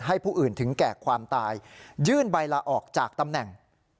ผู้อื่นถึงแก่ความตายยื่นใบลาออกจากตำแหน่ง